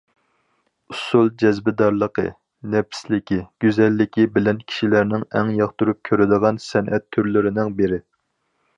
ئۇسسۇل جەزبىدارلىقى، نەپىسلىكى، گۈزەللىكى بىلەن كىشىلەرنىڭ ئەڭ ياقتۇرۇپ كۆرىدىغان سەنئەت تۈرلىرىنىڭ بىرى.